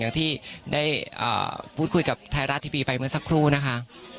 อย่างที่ได้พูดคุยกับไทยรัฐทีวีไปเมื่อสักครู่นะคะ